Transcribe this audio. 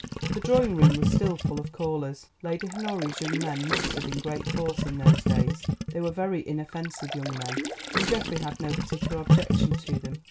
The drawing room was still full of callers. Lady Honoria's young men mustered in great force in those days. They were very inoffensive young men and Geoffrey had no particular objection to them.